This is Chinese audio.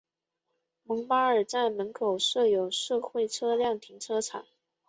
蒙巴尔站门口设有社会车辆停车场。